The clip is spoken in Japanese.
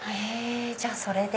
じゃあそれで。